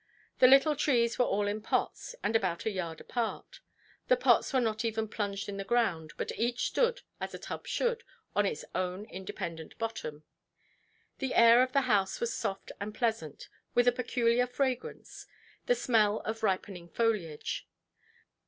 The little trees were all in pots, and about a yard apart. The pots were not even plunged in the ground, but each stood, as a tub should, on its own independent bottom. The air of the house was soft and pleasant, with a peculiar fragrance, the smell of ripening foliage.